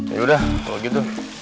yaudah kalau gitu